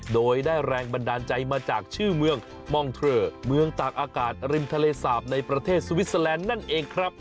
โดยได้แรงบันดาลใจมาจากชื่อเมืองมองเทอร์เมืองตากอากาศริมทะเลสาปในประเทศสวิสเตอร์แลนด์นั่นเองครับ